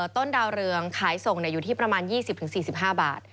ต้นดาวเรืองขายส่งอยู่ที่ประมาณ๒๐๔๕บาท